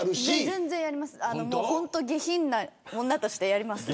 全然やります。